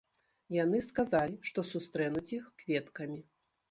Яны сказалі, што сустрэнуць іх кветкамі.